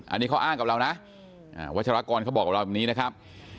อันนี้เขาอ้างกับเรานะวัชรากรเขาบอกกับเราแบบนี้นะครับ